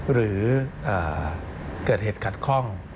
หรือเกิดเหตุขัดข้อง